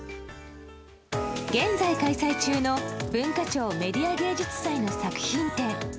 現在開催中の文化庁メディア芸術祭の作品展。